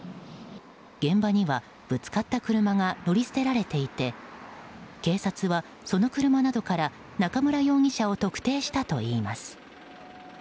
現場には、ぶつかった車が乗り捨てられていて警察は、その車などから中村容疑者を特定したといいます。